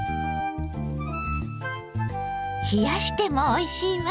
冷やしてもおいしいわ。